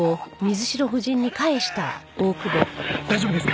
大丈夫ですか？